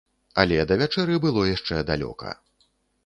Але да вячэры было яшчэ далёка.